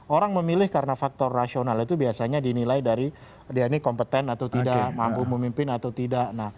orang memilih karena faktor rasional itu biasanya dinilai dari dia ini kompeten atau tidak mampu memimpin atau tidak